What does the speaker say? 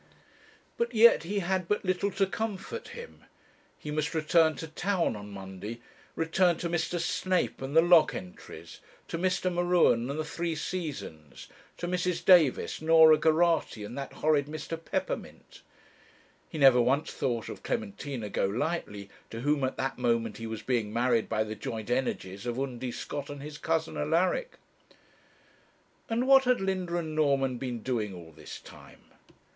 But yet he had but little to comfort him. He must return to town on Monday; return to Mr. Snape and the lock entries, to Mr. M'Ruen and the three Seasons to Mrs. Davis, Norah Geraghty, and that horrid Mr. Peppermint. He never once thought of Clementina Golightly, to whom at that moment he was being married by the joint energies of Undy Scott and his cousin Alaric. And what had Linda and Norman been doing all this time?